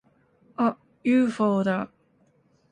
あっ！ユーフォーだ！